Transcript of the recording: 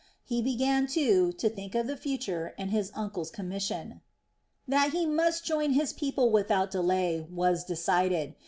He began, too, to think of the future and his uncle's commission. That he must join his people without delay was decided.